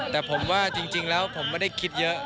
แต่ผมว่าจริงแล้วผมไม่ได้คิดเยอะ